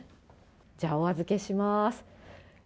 じゃあ、お預けします。